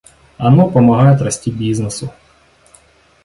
Оно помогает расти бизнесу.